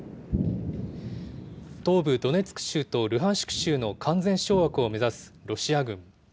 東部ドネツク州とルハンシク州の完全掌握を目指すロシア軍。